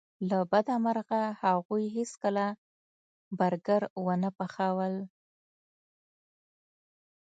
له بده مرغه هغوی هیڅکله برګر ونه پخول